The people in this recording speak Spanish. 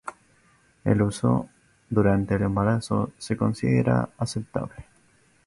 El uso durante el embarazo se considera aceptable.